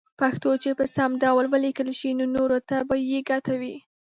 پښتو چې په سم ډول وليکلې شي نو نوره ته به يې ګټه وي